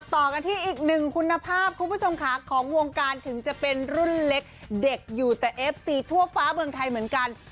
ต่อกันที่อีกหนึ่งคุณภาพคุณผู้ชมค่ะของวงการถึงจะเป็นรุ่นเล็กเด็กอยู่แต่เอฟซีทั่วฟ้าเมืองไทยเหมือนกัน